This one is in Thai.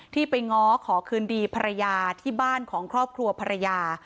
ไปง้อขอคืนดีภรรยาที่บ้านของครอบครัวภรรยา